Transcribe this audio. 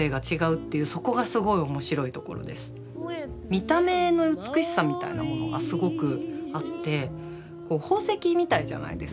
見た目の美しさみたいなものがすごくあって宝石みたいじゃないですか。